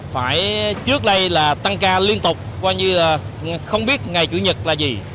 phải trước đây là tăng ca liên tục coi như là không biết ngày chủ nhật là gì